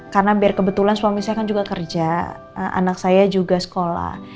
karena biar kebetulan suami saya kan juga kerja anak saya juga sekolah